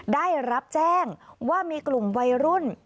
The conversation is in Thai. ได้รับแจ้งว่ามีกลุ่มวัยรุ่น